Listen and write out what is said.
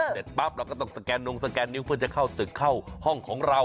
เสร็จปั๊บเราก็ต้องสแกนนงสแกนนิ้วเพื่อจะเข้าตึกเข้าห้องของเรา